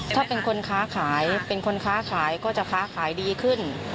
ถ้าเป็นคนค้าขายก็จะค้าขายดีขึ้น